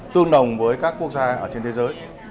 tương đồng với các quốc gia ở trên thế giới